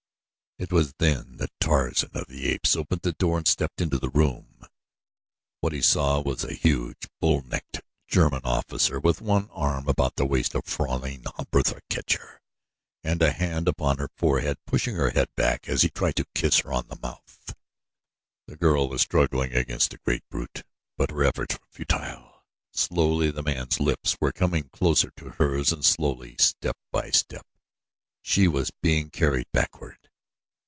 It was then that Tarzan of the Apes opened the door and stepped into the room. What he saw was a huge, bull necked German officer with one arm about the waist of Fraulein Bertha Kircher and a hand upon her forehead pushing her head back as he tried to kiss her on the mouth. The girl was struggling against the great brute; but her efforts were futile. Slowly the man's lips were coming closer to hers and slowly, step by step, she was being carried backward.